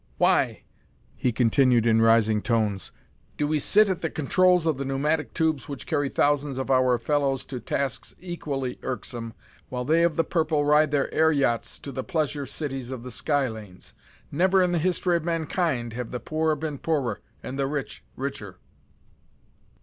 "Why," he continued in rising tones, "do we sit at the controls of the pneumatic tubes which carry thousands of our fellows to tasks equally irksome, while they of the purple ride their air yachts to the pleasure cities of the sky lanes? Never in the history of mankind have the poor been poorer and the rich richer!"